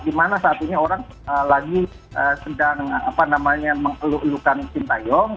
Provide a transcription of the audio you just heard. di mana saat ini orang lagi sedang apa namanya mengeluh elukan sintayong